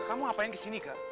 kamu ngapain kesini kak